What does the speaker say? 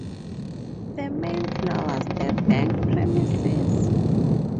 The main floor was the bank premises.